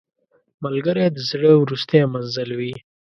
ملګری د زړه وروستی منزل وي